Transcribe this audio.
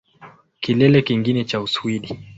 Kilele kingine cha Uswidi